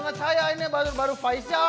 gak percaya ini baru baru faisal